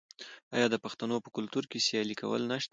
آیا د پښتنو په کلتور کې سیالي کول نشته؟